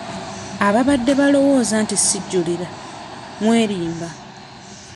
Ababadde balowooza nti sijjulira mwerimba.